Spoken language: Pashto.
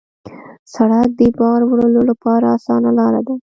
سړک د بار وړلو لپاره اسانه لاره ده.